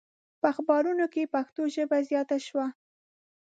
په اخبارونو کې پښتو ژبه زیاته شوه.